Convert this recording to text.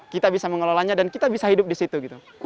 kita bisa mengelolanya dan kita bisa hidup di situ